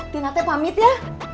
tina teh pamit ya